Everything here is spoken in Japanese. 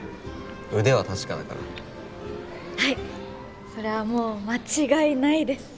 腕は確かだからはいそれはもう間違いないです